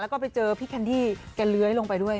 แล้วก็ไปเจอพี่แคนดี้แกเลื้อยลงไปด้วย